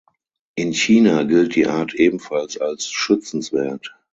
In China gilt die Art ebenfalls als schützenswert.